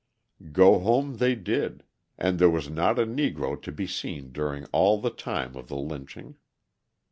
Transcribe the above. Go home they did, and there was not a Negro to be seen during all the time of the lynching.